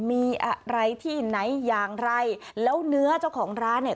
มีอะไรที่ไหนอย่างไรแล้วเนื้อเจ้าของร้านเนี่ย